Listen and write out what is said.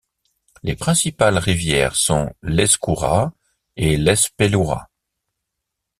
Les principales rivières sont l'Ezcurra et l'Ezpelura.